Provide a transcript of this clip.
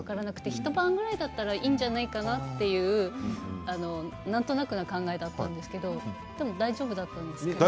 一晩ぐらいだったらいいんじゃないかなっていう何となくな考えだったんですけどでも大丈夫だったんですかね。